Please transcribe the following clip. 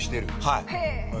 はい。